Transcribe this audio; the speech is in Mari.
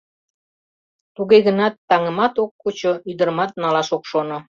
Туге гынат таҥымат ок кучо, ӱдырымат налаш ок шоно.